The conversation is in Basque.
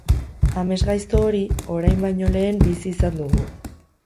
Amesgaizto hori orain baino lehen bizi izan dugu.